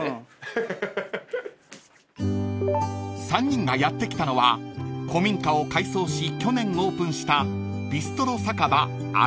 ［３人がやって来たのは古民家を改装し去年オープンした］